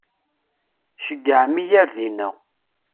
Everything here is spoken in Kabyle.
Ceyyɛem-iyi ar dina.